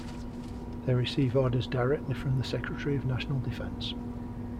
They receive orders directly from the Secretary of National Defense.